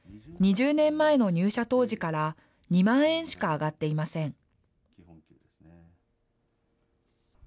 ２０年前の入社当時から２万円しか上がっていません。